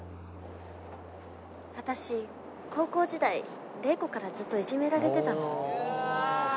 私高校時代麗子からずっといじめられてたの。